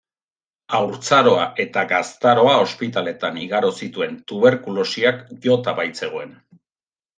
Haurtzaroa eta gaztaroa ospitaletan igaro zituen, tuberkulosiak jota baitzegoen.